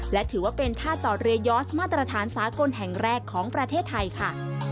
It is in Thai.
และถือว่าเป็นค่าจอดเรือยอสมาตรฐานสากลแห่งแรกของประเทศไทยค่ะ